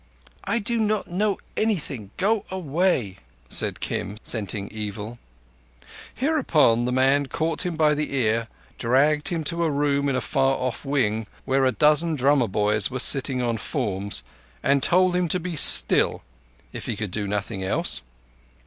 "I do not know anything. Go away!" said Kim, scenting evil. Hereupon the man caught him by the ear, dragged him to a room in a far off wing where a dozen drummer boys were sitting on forms, and told him to be still if he could do nothing else.